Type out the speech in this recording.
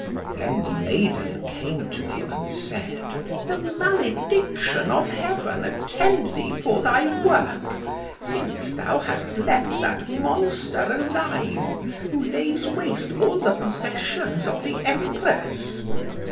Then the maiden came to him and said, "The malediction of Heaven attend thee for thy work, since thou hast left that monster alive, who lays waste all the possessions of the Empress."